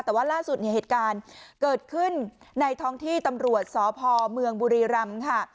แต่ว่าล่าสุดเนี่ยเหตุการณ์เกิดขึ้นในท้องที่ตำรวจสพเมืองบุรีรำค่ะ